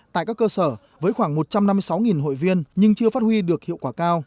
tại các cơ sở với khoảng một trăm năm mươi sáu hội viên nhưng chưa phát huy được hiệu quả cao